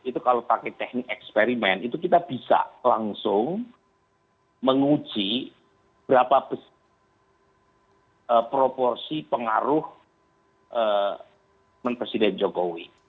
itu kalau pakai teknik eksperimen itu kita bisa langsung menguji berapa besar proporsi pengaruh presiden jokowi